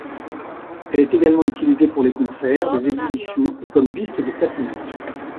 Elle est également utilisée pour les concerts, des exhibitions et comme piste de patinage.